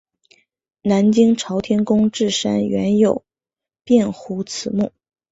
南京朝天宫冶山原有卞壸祠墓。